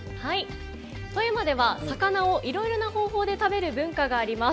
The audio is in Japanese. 富山では魚をいろいろな方法で食べる文化があります。